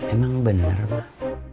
emang bener mak